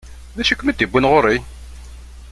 D acu i kem-id-yewwin ɣur-i?